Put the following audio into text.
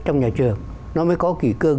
trong nhà trường nó mới có kỷ cương